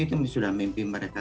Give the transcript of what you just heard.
itu sudah mimpi mereka